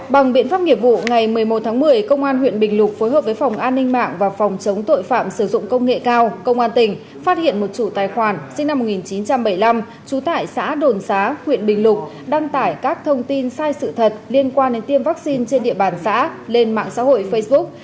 bằng biện pháp nghiệp vụ ngày một mươi một tháng một mươi công an huyện bình lục phối hợp với phòng an ninh mạng và phòng chống tội phạm sử dụng công nghệ cao công an tỉnh phát hiện một chủ tài khoản sinh năm một nghìn chín trăm bảy mươi năm trú tại xã đồn xá huyện bình lục đăng tải các thông tin sai sự thật liên quan đến tiêm vaccine trên địa bàn xã lên mạng xã hội facebook